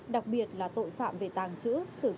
đặc biệt là tội phạm về tàng trữ